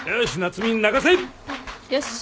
よし。